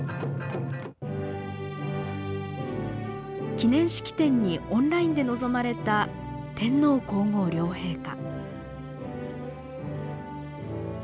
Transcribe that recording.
記念式典にオンラインで臨まれた天皇皇后両陛下。